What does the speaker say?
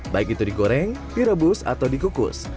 baik itu digoreng direbus atau dikukus